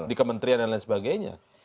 di kementerian dan lain sebagainya